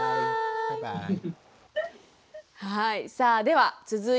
はい。